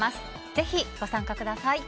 ぜひご参加ください。